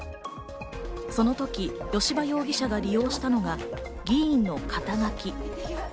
そのとき吉羽容疑者が利用したのは議員の肩書き。